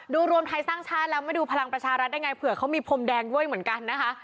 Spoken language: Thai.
รวมไทยสร้างชาติแล้วไม่ดูพลังประชารัฐได้ไงเผื่อเขามีพรมแดงด้วยเหมือนกันนะคะ